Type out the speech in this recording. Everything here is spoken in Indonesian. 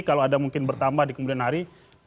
kalau ada mungkin bertambah di kemudian hari